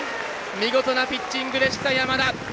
見事なピッチングでした、山田！